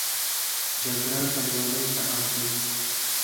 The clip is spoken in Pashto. جګړه کډوالۍ ته اړ کوي